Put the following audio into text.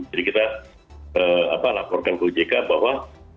jadi kita laporkan ke ojk bahwa